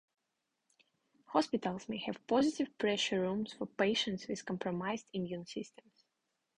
Hospitals may have positive pressure rooms for patients with compromised immune systems.